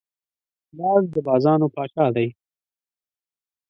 باز د بازانو پاچا دی